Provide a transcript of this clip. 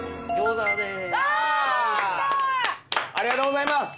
ありがとうございます。